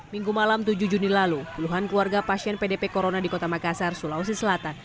minggu malam tujuh juni lalu puluhan keluarga pasien pdp corona di kota makassar sulawesi selatan